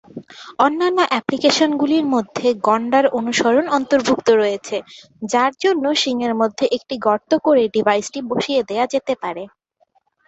অন্যান্য অ্যাপ্লিকেশনগুলির মধ্যে গণ্ডার অনুসরণ অন্তর্ভুক্ত রয়েছে, যার জন্য শিং মধ্যে একটি গর্ত করে ডিভাইসটি বসিয়ে দেওয়া যেতে পারে।